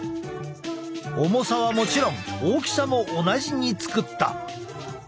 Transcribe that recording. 重さはもちろん大きさも同じに作った。